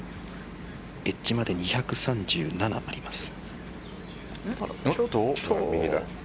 エッジまで２３７あります。